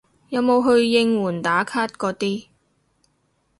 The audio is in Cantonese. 有冇去應援打卡嗰啲